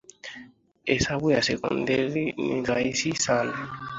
Hesabu ya sekondari ni rahisi sana